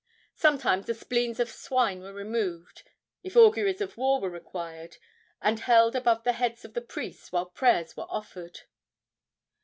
Sometimes the spleens of swine were removed, if auguries of war were required, and held above the heads of the priests while prayers were offered.